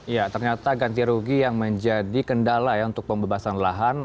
ya ternyata ganti rugi yang menjadi kendala ya untuk pembebasan lahan